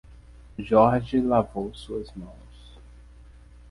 Jorge lavou suas mãos